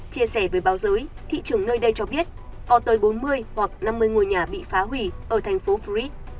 chia sẻ với báo giới thị trường nơi đây cho biết có tới bốn mươi hoặc năm mươi ngôi nhà bị phá hủy ở thành phố fried